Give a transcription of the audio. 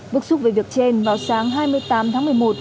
bức xúc về việc trên vào sáng hai mươi tám tháng một mươi một